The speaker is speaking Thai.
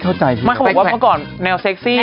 ไม่เขาบอกว่าเมื่อก่อนแนวเซ็กซี่